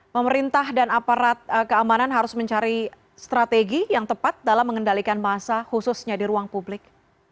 pemerintah dan aparat keamanan harus mencari strategi yang tepat dalam mengendalikan massa khususnya di ruang publik